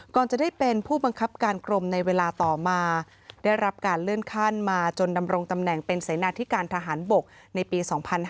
ก่อนจะได้เป็นผู้บังคับการกรมในเวลาต่อมาได้รับการเลื่อนขั้นมาจนดำรงตำแหน่งเป็นเสนาธิการทหารบกในปี๒๕๕๙